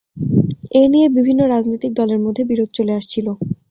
এ নিয়ে বিভিন্ন রাজনৈতিক দলের মধ্যে বিরোধ চলে আসছিল।